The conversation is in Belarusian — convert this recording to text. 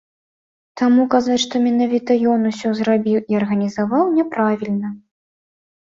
Таму казаць, што менавіта ён усё зрабіў і арганізаваў, няправільна.